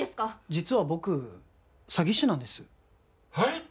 実は僕詐欺師なんですはい！？